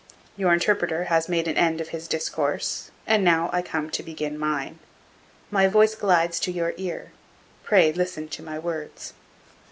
Your interpreter has made an end of his discourse, and now I come to begin mine. My voice glides to your ear. Pray listen to my words.